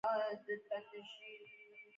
طیاره د اسمان له لارې سفر کوي.